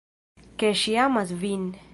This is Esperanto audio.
Ke ŝi amas vin.